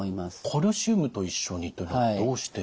カルシウムと一緒にというのはどうして？